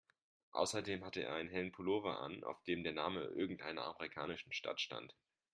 Außerdem hatte er einen hellen Pullover an, auf dem der Name irgendeiner amerikanischen Stadt stand.